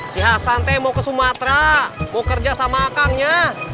si hasante mau ke sumatera mau kerja sama akangnya